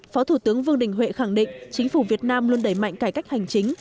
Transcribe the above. phó thủ tướng vương đình huệ khẳng định chính phủ việt nam luôn đẩy mạnh cải cách hành chính